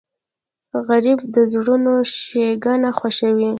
غریب د زړونو ښیګڼه خوښوي